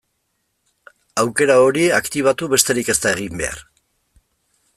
Aukera hori aktibatu besterik ez da egin behar.